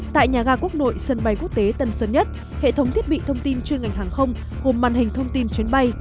tại nhà ga quốc nội sân bay quốc tế tân sơn nhất hệ thống thiết bị thông tin chuyên ngành hàng không gồm màn hình thông tin chuyến bay